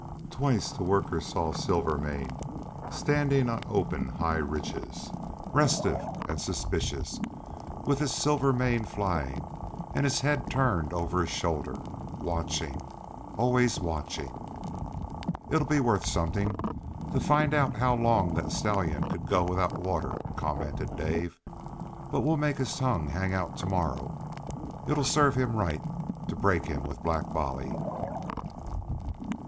Twice the workers saw Silvermane standing on open high ridges, restive and suspicious, with his silver mane flying, and his head turned over his shoulder, watching, always watching. "It'd be worth something to find out how long that stallion could go without water," commented Dave. "But we'll make his tongue hang out to morrow. It'd serve him right to break him with Black Bolly."